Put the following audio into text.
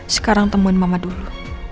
sekarang temuin mama dulu